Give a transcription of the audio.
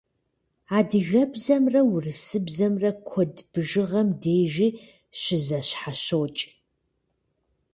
Адыгэбзэмрэ урысыбзэмрэ куэд бжыгъэм дежи щызэщхьэщокӏ.